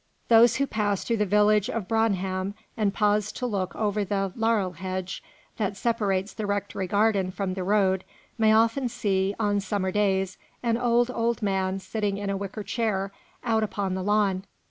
Those who pass through the village of Bromham, and pause to look over the laurel hedge that separates the rectory garden from the road, may often see, on summer days, an old, old man, sitting in a wicker chair, out upon the lawn.